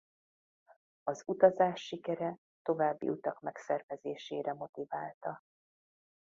Az utazás sikere további utak megszervezésére motiválta.